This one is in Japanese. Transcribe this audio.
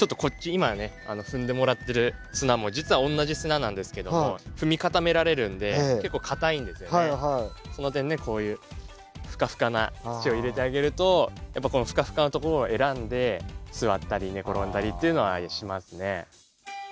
今ね踏んでもらってる砂も実は同じ砂なんですけどもその点ねこういうふかふかな土を入れてあげるとやっぱこのふかふかのところを選んで座ったり寝転んだりっていうのはしますね。